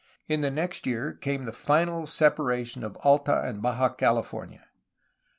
In the next year came the final separation of Alta and Baja California.